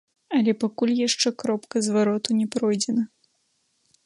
Але пакуль яшчэ кропка звароту не пройдзена.